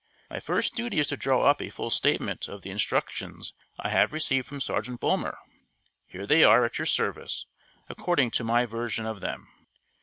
My first duty is to draw up a full statement of the instructions I have received from Sergeant Bulmer. Here they are at your service, according to my version of them.